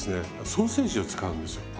ソーセージを使うんですよ。